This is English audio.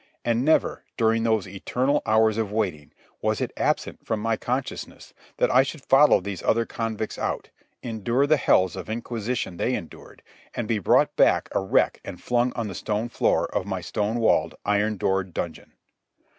And never, during those eternal hours of waiting, was it absent from my consciousness that I should follow these other convicts out, endure the hells of inquisition they endured, and be brought back a wreck and flung on the stone floor of my stone walled, iron doored dungeon.